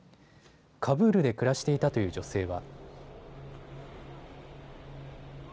カブールで暮らしていたという女性は。